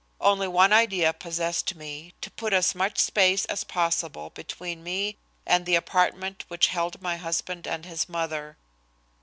Only one idea possessed me to put as much space as possible between me and the apartment which held my husband and his mother.